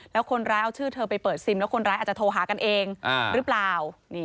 แล้วคนร้ายเอาชื่อเธอไปเปิดซิมแล้วคนร้ายอาจจะโทรหากันเองหรือเปล่า